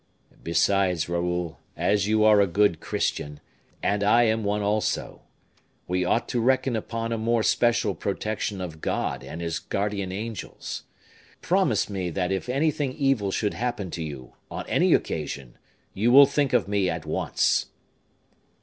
"Besides, Raoul, as you are a good Christian, and I am one also, we ought to reckon upon a more special protection of God and His guardian angels. Promise me that if anything evil should happen to you, on any occasion, you will think of me at once."